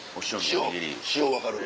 塩分かる。